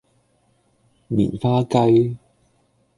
棉花雞